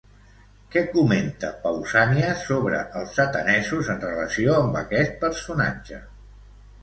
Què comenta Pausànies sobre els atenesos en relació amb aquest personatge?